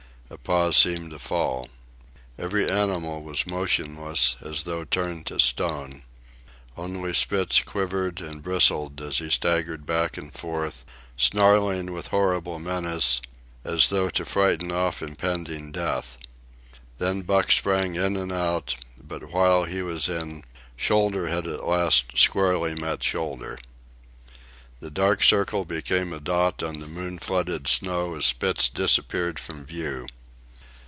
A pause seemed to fall. Every animal was motionless as though turned to stone. Only Spitz quivered and bristled as he staggered back and forth, snarling with horrible menace, as though to frighten off impending death. Then Buck sprang in and out; but while he was in, shoulder had at last squarely met shoulder. The dark circle became a dot on the moon flooded snow as Spitz disappeared from view.